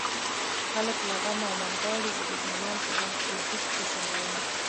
خلک له غمه امان غواړي زه د جانان په غم کې ډوب خوشاله يمه